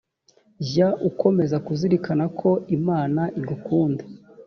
jya ukomeza kuzirikana ko imana igukunda